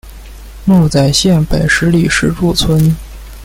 墓在县北十里石柱村。